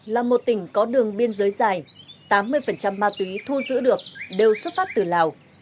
là một tỉnh có đường biên giới dài tám mươi ma túy thu giữ được đều xuất phát từ lào